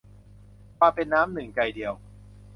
ความเป็นน้ำหนึ่งใจเดียว